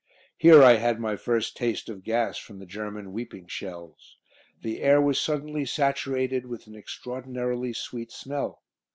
Here I had my first taste of gas from the German weeping shells. The air was suddenly saturated with an extraordinarily sweet smell.